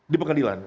di pekan jalan